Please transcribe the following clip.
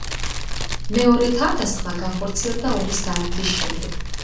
მეორე თავდასხმა განხორციელდა ორი საათის შემდეგ.